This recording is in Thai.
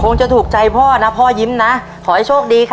เรื่อง